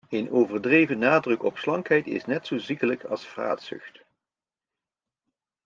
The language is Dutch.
Een overdreven nadruk op slankheid is net zo ziekelijk als vraatzucht.